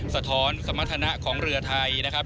สะท้อนสมรรถนะของเรือไทยนะครับ